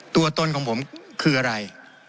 ตัวตนของผมคืออะไร